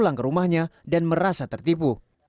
dia mengatakan bahwa dia akan pulang ke rumahnya dan merasa tertipu